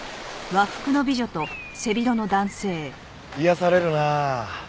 癒やされるなあ。